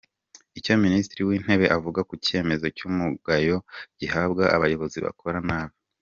Icyo Minisitiri w’Intebe avuga ku cyemezo cy’umugayo gihabwa abayobozi bakora nabi